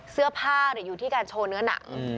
เสื้อผ้าอยู่ที่การโชว์เนื้อหนัง